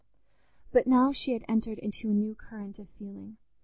But now she had entered into a new current of feeling.